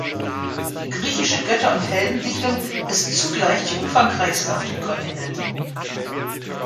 Die griechische Götter- und Heldendichtung ist zugleich die umfangreichste auf dem Kontinent.